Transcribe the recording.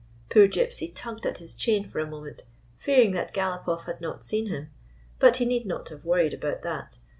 Poor Gypsy tugged at his chain for a moment, fearing that Galopoff had not seen him. But he need not have worried about that.